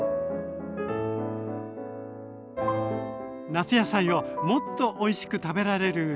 夏野菜をもっとおいしく食べられる一皿。